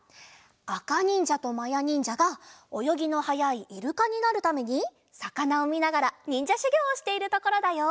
あかにんじゃとまやにんじゃがおよぎのはやいイルカになるためにさかなをみながらにんじゃしゅぎょうをしているところだよ。